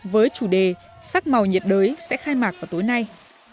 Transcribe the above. với chủ đề sắc màu nhiệt đới sẽ khai mạc vào tối nay